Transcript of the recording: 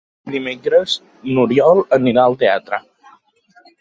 Dimecres n'Oriol anirà al teatre.